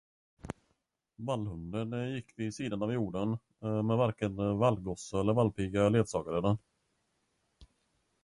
Vallhunden gick vid sidan av hjorden, men varken vallgosse eller vallpiga ledsagade den.